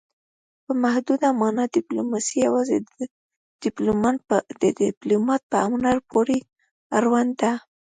په محدوده مانا ډیپلوماسي یوازې د ډیپلومات په هنر پورې اړوند ده